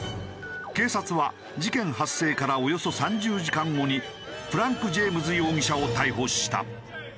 警察は事件発生からおよそ３０時間後にフランク・ジェームズ容疑者を逮捕した。